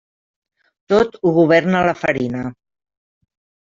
Tot ho governa la farina.